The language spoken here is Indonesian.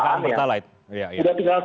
sudah tinggal satu dua pertalite ya